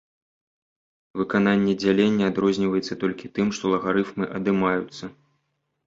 Выкананне дзялення адрозніваецца толькі тым, што лагарыфмы адымаюцца.